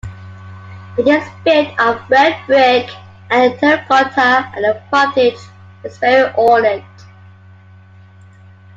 It is built of red brick and terracotta and the frontage is very ornate.